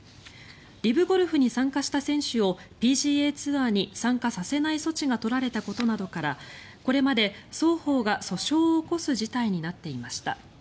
ＬＩＶゴルフに参加した選手をＰＧＡツアーに参加させない措置が取られたことなどからこれまで双方が訴訟を起こす事態になっていました。